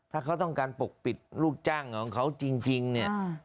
ถ้าเขาต้องการปกปิดลูกจ้างของเขาจริงเนี่ย